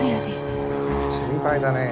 心配だねえ。